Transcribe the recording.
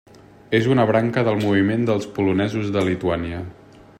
És una branca del Moviment dels Polonesos de Lituània.